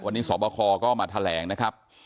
วันนี้สอบคอก็มาแถลงนะครับ